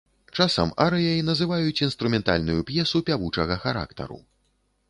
Часам арыяй называюць інструментальную п'есу пявучага характару.